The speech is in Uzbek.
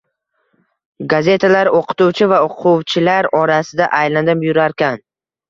Gazetalar oʻqituvchi va oʻquvchilar orasida aylanib yurarkan.